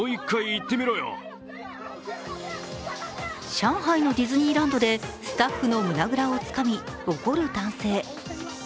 上海のディズニーランドでスタッフの胸ぐらをつかみ怒る男性。